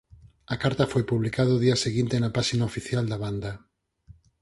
A carta foi publicada o día seguinte na páxina oficial da banda.